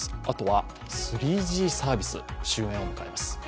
あとは３Ｇサービス、終えんを迎えます。